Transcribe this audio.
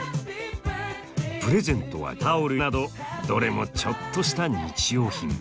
プレゼントはタオルなどどれもちょっとした日用品。